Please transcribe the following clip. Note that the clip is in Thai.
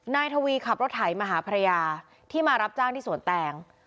นายทวีขับรถไถมาหาภรรยาที่มารับจ้างที่สวนแตง